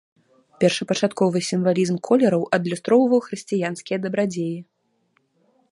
Першапачатковы сімвалізм колераў адлюстроўваў хрысціянскія дабрадзеі.